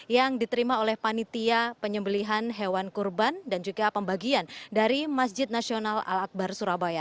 yang diterima oleh panitia penyembelihan hewan kurban dan juga pembagian dari masjid nasional al akbar surabaya